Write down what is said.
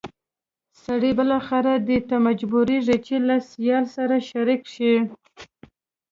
سړی بالاخره دې ته مجبورېږي چې له سیال سره شریک شي.